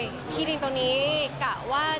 พี่พูดดีกว่าดีค่ะว่าอู้ว่ะ